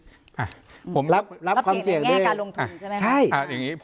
รับความเสี่ยงด้วยรับเสี่ยงในแง่การลงทุนใช่ไหมครับ